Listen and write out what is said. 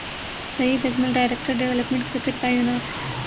سعید Ajmal director development cricket تعینات